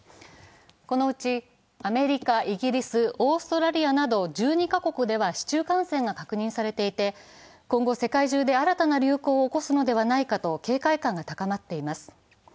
このうちアメリカ、イギリス、オーストラリアなど１２カ国では市中感染が確認されていて、今後、世界中で新たな流行を起こすのではないかと警戒感が高まっています。